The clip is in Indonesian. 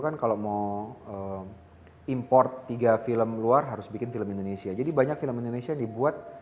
kan kalau mau import tiga film luar harus bikin film indonesia jadi banyak film indonesia dibuat